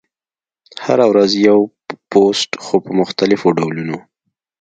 هره ورځ یو پوسټ، خو په مختلفو ډولونو: